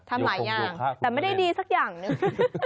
ทำหลายอย่างแต่ไม่ได้ดีสักอย่างหนึ่ง